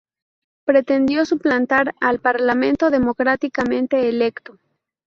Pretendió suplantar al Parlamento democráticamente electo.